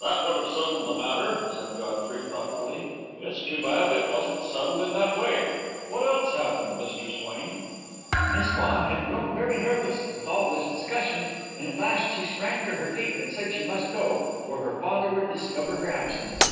"That would have settled the matter," said Godfrey, thoughtfully. "It's too bad it wasn't settled in that way. What else happened, Mr. Swain?" "Miss Vaughan had grown very nervous, with all this discussion, and at last she sprang to her feet and said she must go, or her father would discover her absence.